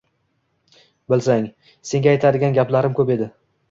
Bilsang, senga aytadigan gaplarim ko‘p edi”